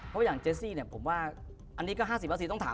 เพราะตัวเขาก็ใหญ่กว่า